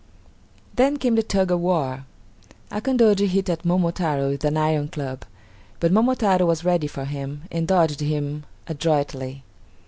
Then came the tug of war. Akandoji hit at Momotaro with an iron club, but Momotaro was ready for him, and dodged him adroitly.